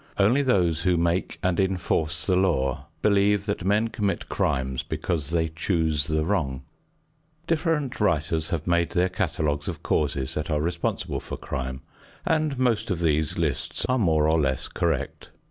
Only those who make and enforce the law believe that men commit crimes because they choose the wrong. Different writers have made their catalogues of causes that are responsible for crime, and most of these lists are more or less correct.